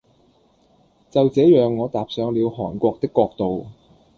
就這樣我踏上了韓國的國度